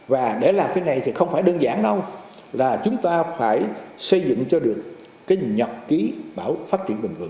và để làm cái này thì không phải đơn giản đâu là chúng ta phải xây dựng cho được cái nhật ký bảo pháp